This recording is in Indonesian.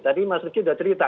tadi mas lucky sudah cerita